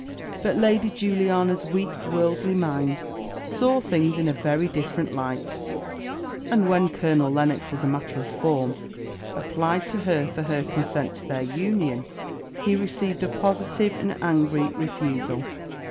But Lady Juliana's weak, worldly mind, saw things in a very different light; and when Colonel Lennox, as a matter of form, applied to her for her consent to their union, he received a positive and angry refusal.